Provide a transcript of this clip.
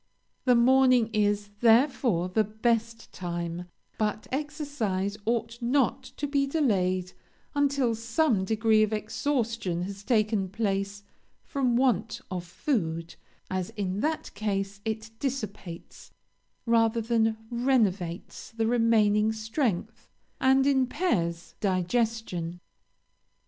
The morning is, therefore, the best time; but exercise ought not to be delayed until some degree of exhaustion has taken place from want of food, as in that case it dissipates rather than renovates the remaining strength, and impairs digestion.